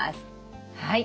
はい。